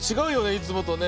いつもとね。